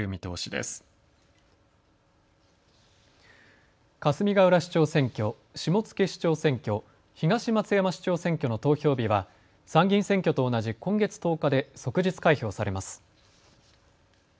かすみがうら市長選挙、下野市長選挙、東松山市長選挙の投票日は参議院選挙と同じ今月１０日で即日開票されます。